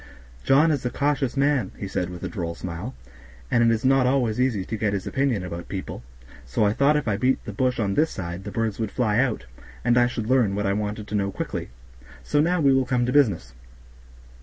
John is a cautious man," he said, with a droll smile, "and it is not always easy to get his opinion about people, so I thought if I beat the bush on this side the birds would fly out, and I should learn what I wanted to know quickly; so now we will come to business.